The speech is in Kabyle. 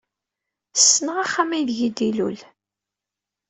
Ssneɣ axxam aydeg d-ilul.